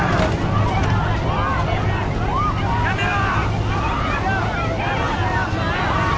やめろ！